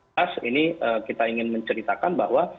mas ini kita ingin menceritakan bahwa